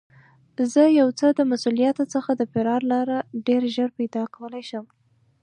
زه یو څه له مسوولیته څخه د فرار لاره ډېر ژر پیدا کولای شم.